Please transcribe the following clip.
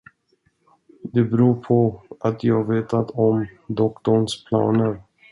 Det beror på att jag vetat om doktorns planer.